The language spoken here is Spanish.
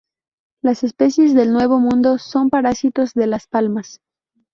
Las especies del Nuevo Mundo son parásitos de las palmas.